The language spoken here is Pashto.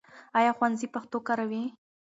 ایا ښوونځی پښتو کاروي؟